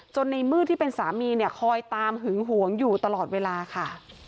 ในมืดที่เป็นสามีเนี่ยคอยตามหึงหวงอยู่ตลอดเวลาค่ะ